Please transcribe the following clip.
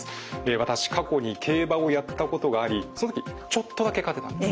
私過去に競馬をやったことがありその時ちょっとだけ勝てたんです。